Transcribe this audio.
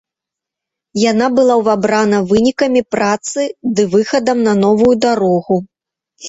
Яна была ўвабрана вынікамі працы ды выхадам на новую дарогу.